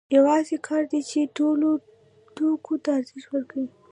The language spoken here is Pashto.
یوازې کار دی چې ټولو توکو ته ارزښت ورکوي